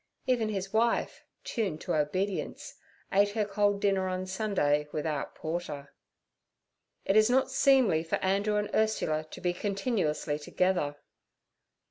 Even his wife—tuned to obedience—ate her cold dinner on Sunday without porter. 'It is not seemly for Andrew and Ursula to be continuously together.'